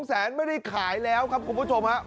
แสนไม่ได้ขายแล้วครับคุณผู้ชมฮะ